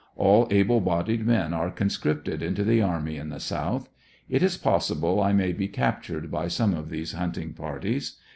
All able bodied men are con scripted into the army in the South. It is possible I may be cap tured by some of these hunting parties.